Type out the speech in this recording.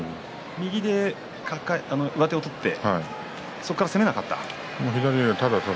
右で上手を取ってそこから攻めなかった。